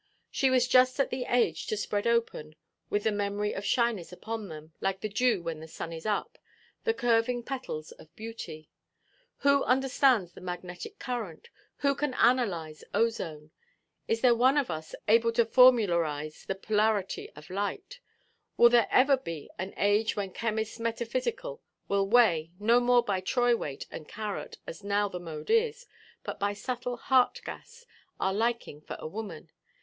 She was just at the age to spread open, with the memory of shyness upon them (like the dew when the sun is up), the curving petals of beauty. Who understands the magnetic current? Who can analyze ozone? Is there one of us able to formularize the polarity of light? Will there ever be an age when chemists metaphysical will weigh—no more by troy weight, and carat, as now the mode is, but by subtle heart–gas—our liking for a woman?